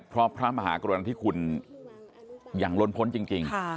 เพราะพระมหากรณฑิคุณอย่างล้นพ้นจริง